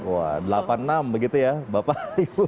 wah delapan puluh enam begitu ya bapak ibu